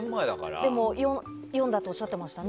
でも読んだっておっしゃってましたね。